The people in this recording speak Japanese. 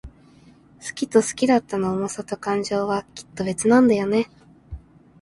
好きと好きだったの想さと感情は、きっと別なんだよね。